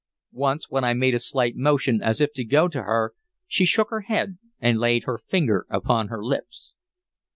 Once when I made a slight motion as if to go to her, she shook her head and laid her finger upon her lips.